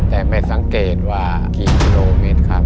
แต่ไม่สังเกตว่ากี่กิโลเมตรครับ